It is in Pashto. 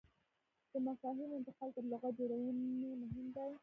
د مفاهیمو انتقال تر لغت جوړونې مهم دی.